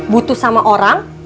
butuh sama orang